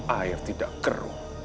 air tidak keruh